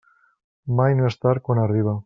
Mai no és tard quan arriba.